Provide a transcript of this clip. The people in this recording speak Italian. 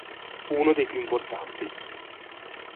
Uno dei più importanti.